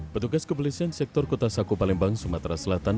petugas kepolisian sektor kota sakopalembang sumatera selatan